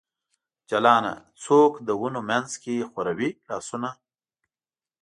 جلانه ! څوک د ونو منځ کې خوروي لاسونه ؟